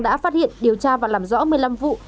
đã phát hiện điều tra và làm rõ một mươi năm vụ